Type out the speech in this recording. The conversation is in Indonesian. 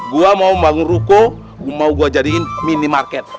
gue mau bangun ruko mau gue jadiin minimarket